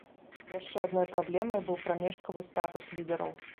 Яшчэ адной праблемай быў прамежкавы статус лідараў.